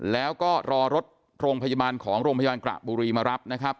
แล้วก็รอรถโรงพยาบาลของโรงพยาบาลกระบุรีมารับนะครับ